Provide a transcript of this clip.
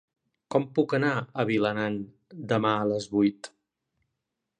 Com puc anar a Vilanant demà a les vuit?